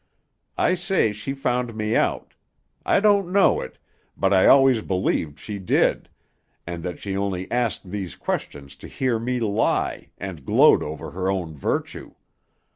I say she found me out; I don't know it, but I always believed she did, and that she only asked these questions to hear me lie, and gloat over her own virtue.